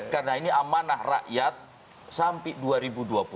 karena ini amanah rakyat sampai dua ribu dua puluh